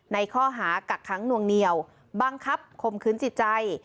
ในข้อหากักค้างนวงเหนียวบังคับคมคืนจิตใจ